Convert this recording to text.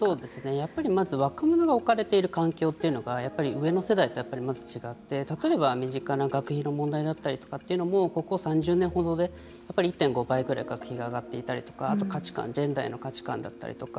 やっぱりまず若者が置かれている環境というのがやっぱり上の世代と、まず違って例えば身近な学費の問題だったりとかというのもここ３０年ほどで１．５倍ぐらい学費が上がっていたりとかあと価値観ジェンダーへの価値観だったりとか。